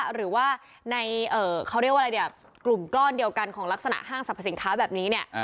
หรือว่าในเขาเรียกว่าอะไรเนี่ยกลุ่มก้อนเดียวกันของลักษณะห้างสรรพสินค้าแบบนี้เนี่ย